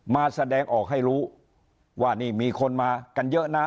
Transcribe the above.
มาแสดงออกให้รู้ว่านี่มีคนมากันเยอะนะ